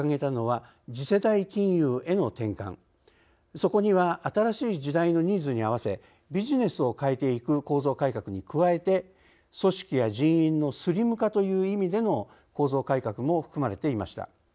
そこには新しい時代のニーズにあわせビジネスを変えていく構造改革に加えて組織や人員のスリム化という意味での構造改革も含まれていました。